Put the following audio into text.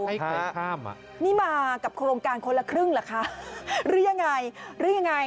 ใครข้ามอ่ะนี่มากับโครงการคนละครึ่งเหรอคะหรือยังไงหรือยังไง